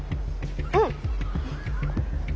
うん。